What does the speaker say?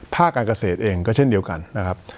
ภาคการเกษตรเองก็เช่นเดียวกันนะครับ